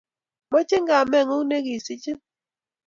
Machi kameng'ung' ne kiasichin